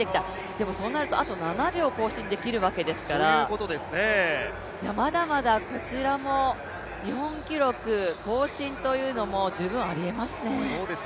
でもそうなるとあと７秒更新できるわけですから、まだまだこちらも、日本記録更新というのも十分ありえますね。